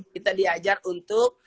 kita diajar untuk